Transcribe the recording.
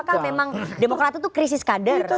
apakah memang demokrat itu krisis kader saat ini